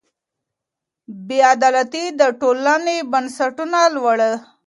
بې عدالتي د ټولني بنسټونه لړزوي.